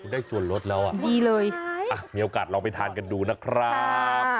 ได้สวนลดแล้วมีโอกาสลองไปทานกันดูนะครับ